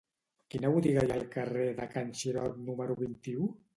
Quina botiga hi ha al carrer de Can Xirot número vint-i-u?